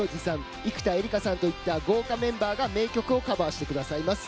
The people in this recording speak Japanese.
生田絵梨花さんといった豪華メンバーが名曲をカバーしてくださいます。